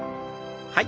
はい。